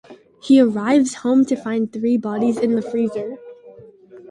He arrives home to find the three bodies in the freezer.